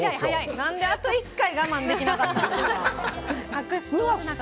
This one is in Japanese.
何であと１回我慢できなかったんですか。